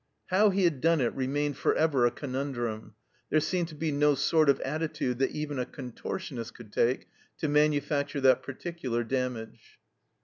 How he had done it remained for ever a conundrum there seemed to be no sort of attitude that even a contortionist could take to manufacture that particular damage.